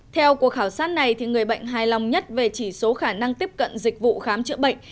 theo cuộc khảo sát này người bệnh hài lòng nhất về chỉ số khả năng tiếp cận dịch vụ khám chữa bệnh